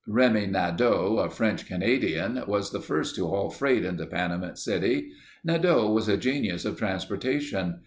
Remi Nadeau, a French Canadian, was the first to haul freight into Panamint City. Nadeau was a genius of transportation.